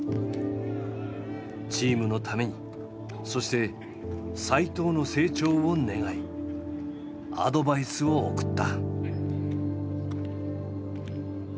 チームのためにそして齋藤の成長を願いアドバイスを送った。